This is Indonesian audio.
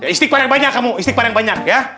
istiqbar yang banyak kamu istiqbar yang banyak ya